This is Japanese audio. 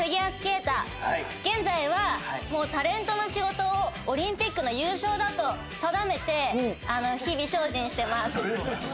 現在はもうタレントの仕事をオリンピックの優勝だと定めて日々精進してます。